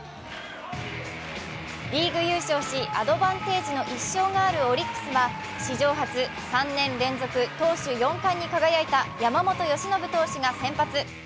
リーグ優勝しアドバンテージの１勝があるオリックスは史上初、３年連続投手４冠に輝いた山本由伸投手が先発。